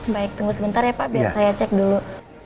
baik tunggu sebentar ya pak biar saya cek dulu